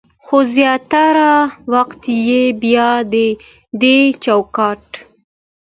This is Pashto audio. خو زياتره وخت يې بيا د دې چوکاټ